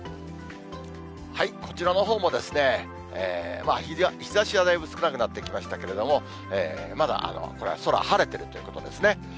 こちらのほうも日ざしはだいぶ少なくなってきましたけれども、まだこれは空、晴れているということですね。